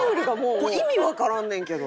これ意味わからんねんけど。